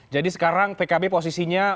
jadi sekarang pkb posisinya